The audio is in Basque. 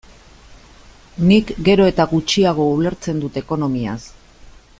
Nik gero eta gutxiago ulertzen dut ekonomiaz.